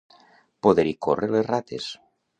Poder-hi córrer les rates.